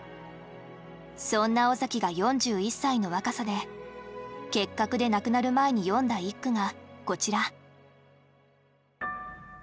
そんな尾崎が４１歳の若さで結核で亡くなる前に詠んだ一句がこちら。